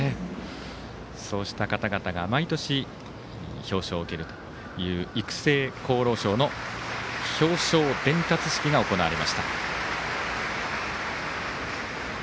そうした方々が毎年、表彰を受けるという育成功労賞の表彰式が行われました。